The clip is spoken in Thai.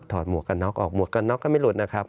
ถอดหมวกกระน็อกออกหมวกกระน็อกก็ไม่ลดนะครับ